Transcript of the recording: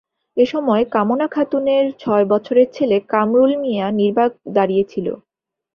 এ সময় কামনা খাতুনের ছয় বছরের ছেলে কামরুল মিয়া নির্বাক দাঁড়িয়ে ছিল।